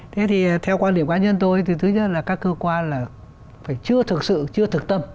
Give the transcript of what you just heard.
thế thì theo quan điểm cá nhân tôi thì thứ nhất là các cơ quan là phải chưa thực sự chưa thực tâm